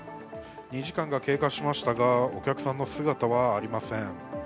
２時間経過しましたがお客さんの姿はありません。